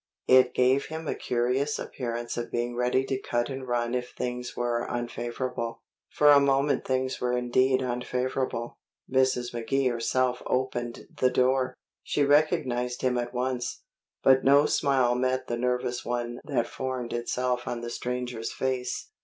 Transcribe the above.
It gave him a curious appearance of being ready to cut and run if things were unfavorable. For a moment things were indeed unfavorable. Mrs. McKee herself opened the door. She recognized him at once, but no smile met the nervous one that formed itself on the stranger's face.